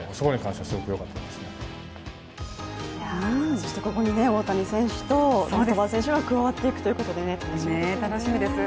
そしてここに大谷選手とヌートバー選手が加わっていくということで、楽しみですね。